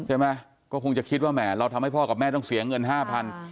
ใช่ไหมก็คงจะคิดว่าแหมเราทำให้พ่อกับแม่ต้องเสียเงินห้าพัน